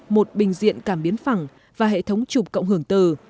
một bình diện cảm biến phẳng và hệ thống chụp cộng hưởng từ